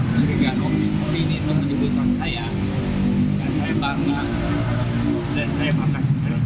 ketika ini terjadi saya bangga dan saya bangga